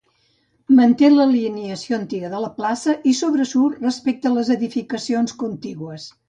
Manté l'alineació antiga de la plaça i sobresurt respecte a les edificacions contigües.